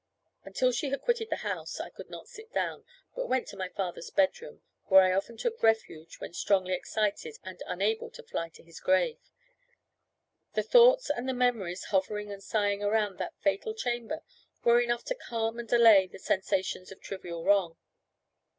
Until she had quitted the house, I could not sit down; but went to my father's bedroom, where I often took refuge when strongly excited and unable to fly to his grave. The thoughts and the memories hovering and sighing around that fatal chamber were enough to calm and allay the sensations of trivial wrong.